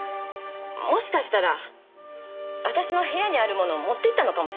もしかしたら私の部屋にあるものを持っていったのかもしれません。